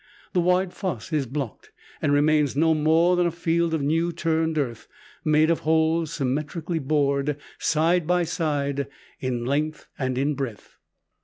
The wide fosse is blocked, and remains no more than a field of new turned earth, made of holes symmetrically bored side by side, in length and in breadth.